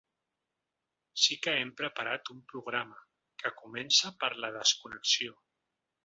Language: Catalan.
Sí que hem preparat un programa, que comença per la desconnexió.